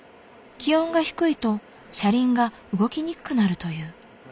気温が低いと車輪が動きにくくなるという。